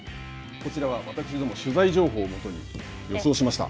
こちらは私ども、取材情報を基に予想しました。